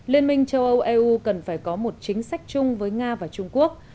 liên minh châu âu eu cần phải có một chính sách chung với nga và trung quốc